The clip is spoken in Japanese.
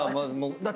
だって。